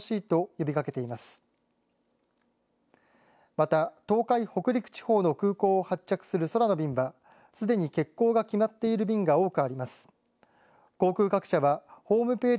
また東海、北陸地方の空港を発着する空の便はすでに欠航が決まっている便は多くあります。